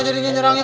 nah sekarang lagi